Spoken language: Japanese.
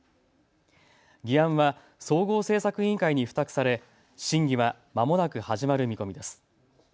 議案は総合政策委員会に付託され審議はまもなく始まる見込みです。